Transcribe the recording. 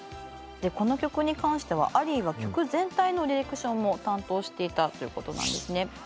この曲に関してはアリーが曲全体のディレクションも担当していたということなんですね。